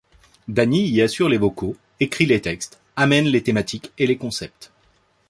Dani y assure les vocaux, écrit les textes, amène les thématiques et les concepts.